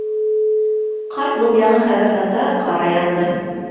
Ҡарт был яңы хәбәрҙән тағы ҡара янды: